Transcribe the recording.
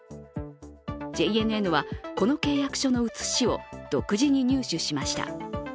ＪＮＮはこの契約書の写しを独自に入手しました。